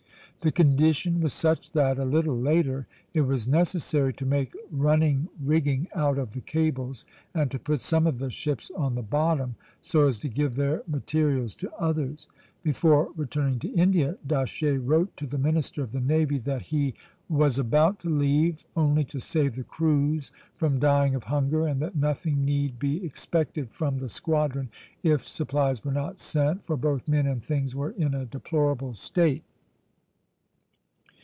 The condition was such that, a little later, it was necessary to make running rigging out of the cables, and to put some of the ships on the bottom, so as to give their materials to others. Before returning to India, D'Aché wrote to the minister of the navy that he "was about to leave, only to save the crews from dying of hunger, and that nothing need be expected from the squadron if supplies were not sent, for both men and things were in a deplorable state."